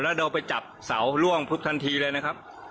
แล้วเดินไปจับเสาร่วงทันทีเลยนะครับ